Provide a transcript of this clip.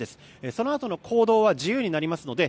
そのあとの行動は自由になりますので